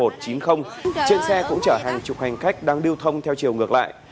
trên xe cũng chở hàng chục hành khách đang lưu thông theo chiều ngược lại